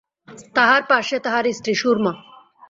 তাঁহার পার্শ্বে তাঁহার স্ত্রী সুরমা।